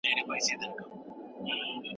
ایا په پخلنځي کي د نظافت مراعات کول ناروغۍ ورکوي؟